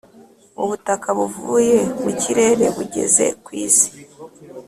ubutaka buvuye mukirere bugeze ku Isi